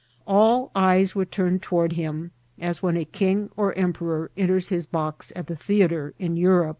All eyes were turned toward him, as when a king or emperor enters his box at the theatre in Eun^.